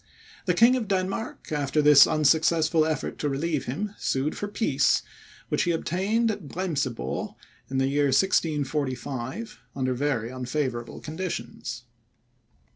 The King of Denmark, after this unsuccessful effort to relieve him, sued for peace, which he obtained at Bremsebor in the year 1645, under very unfavourable conditions.